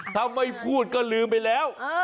ถ้าไม่พูดก็ลืมไปแล้ว